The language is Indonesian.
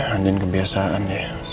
andien kebiasaan ya